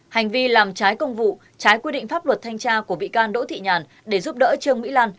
hành vi làm trái công vụ trái quy định pháp luật thanh tra của bị can đỗ thị nhàn để giúp đỡ trương mỹ lan